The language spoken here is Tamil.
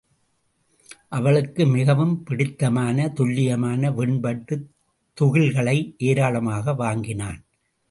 அவளுக்கு மிகவும் பிடித்தமான துல்லியமான வெண்பட்டுத் துகில்களை ஏராளமாக வாங்கினான்.